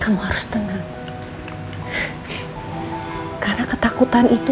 mungkin karena ini